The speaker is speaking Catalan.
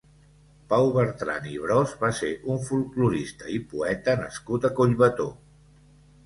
Pau Bertran i Bros va ser un folklorista i poeta nascut a Collbató.